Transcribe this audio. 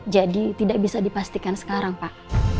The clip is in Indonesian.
jadi tidak bisa dipastikan sekarang pak